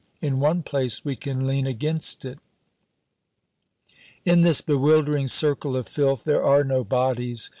In one place we can lean against it. In this bewildering circle of filth there are no bodies.